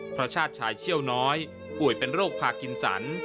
พระชาติชายเชี่ยวน้อยป่วยเป็นโรคพากินสัน